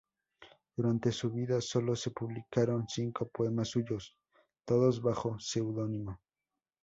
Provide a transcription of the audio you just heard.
Durante su vida sólo se publicaron cinco poemas suyos, todos bajo seudónimo.